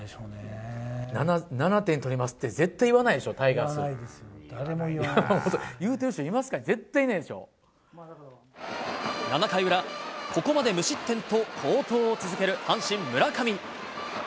７点取りますって、絶対言わ言わないですよ、誰も言わな言うてる人いますかね、７回裏、ここまで無失点と好投を続ける、阪神、村上。